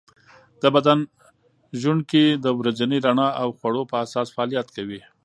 د بدن ژوڼکې د ورځني رڼا او خوړو په اساس فعالیت کوي.